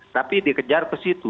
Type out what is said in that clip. tapi dikejar ke situ